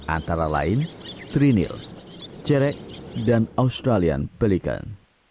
antara lain trinil cerek dan australian pelicon